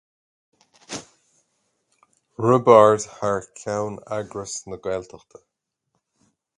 Roibeárd thar ceann Eagras na Gaeltachta.